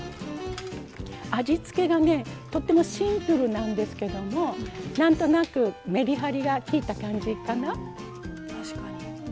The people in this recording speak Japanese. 味付けがとってもシンプルなんですけどなんとなくメリハリがきいた感じかな。